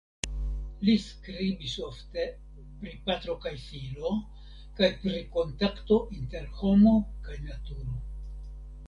Li skribis ofte pri patro kaj filo kaj pri kontakto inter homo kaj naturo.